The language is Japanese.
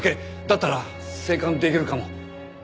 だったら静観できるかも。